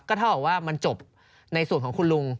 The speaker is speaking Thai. ก็ถ้าบอกว่ามันจบในส่วนของคุณลุง